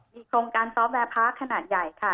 มีโครงการซ้อมแวร์พาร์คขนาดใหญ่ค่ะ